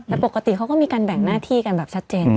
แต่ปกติเขาก็มีการแบ่งหน้าที่กันแบบชัดเจน